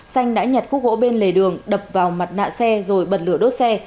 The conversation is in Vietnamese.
xanh đã nhặt khúc gỗ bên lề đường đập vào mặt nạ xe rồi bật lửa đốt xe